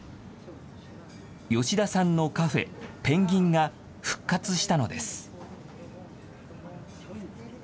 吉田さんのカフェ、ペンギンが、復活したのです。